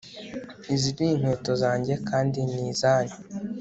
Izi ninkweto zanjye kandi ni izanyu